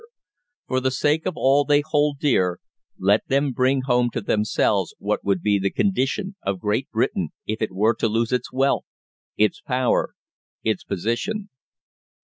For the sake of all they hold dear, let them bring home to themselves what would be the condition of Great Britain if it were to lose its wealth, its power, its position."